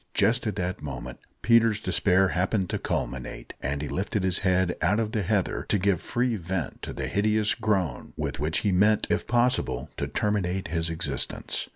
Just at that moment Peter's despair happened to culminate, and he lifted his head out of the heather to give free vent to the hideous groan, with which he meant, if possible, to terminate his existence.